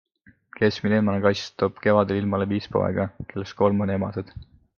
Keskmine emane kass toob kevadel ilmale viis poega, kellest kolm on emased.